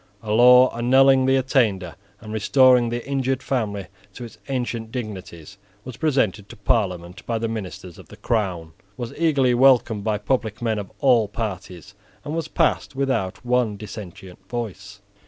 A law annulling the attainder and restoring the injured family to its ancient dignities was presented to Parliament by the ministers of the crown, was eagerly welcomed by public men of all parties, and was passed without one dissentient voice.